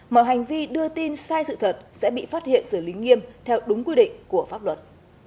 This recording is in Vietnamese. mọi hành vi đưa tin sai sự thật sẽ bị phát hiện xử lý nghiêm theo đúng quy định của pháp luật